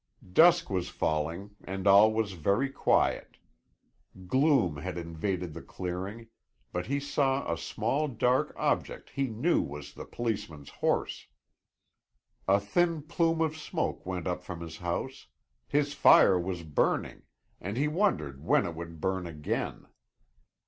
Dusk was falling and all was very quiet. Gloom had invaded the clearing, but he saw a small dark object he knew was the policeman's horse. A thin plume of smoke went up from his house; his fire was burning, and he wondered when it would burn again.